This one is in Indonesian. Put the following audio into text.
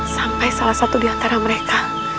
sampai salah satu di antara mereka